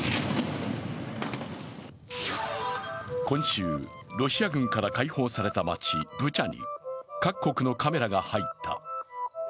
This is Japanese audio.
今週、ロシア軍から解放された街ブチャに各国のカメラが入った。